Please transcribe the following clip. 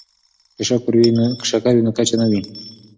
که شکر وي نو کچه نه وي.